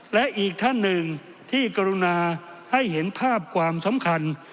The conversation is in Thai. และอีกท่านหนึ่งที่กรุณาให้เห็นภาพความสำคัญ